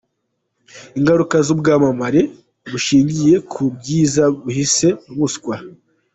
Ingaruka z’ubwamamare bushingiye ku bwiza buhishe ubuswa.